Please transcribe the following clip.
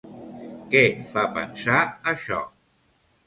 Què fa pensar això?